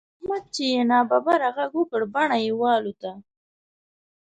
پر احمد چې يې ناببره غږ وکړ؛ بڼه يې والوته.